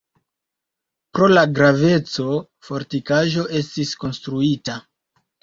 Pro la graveco fortikaĵo estis konstruita.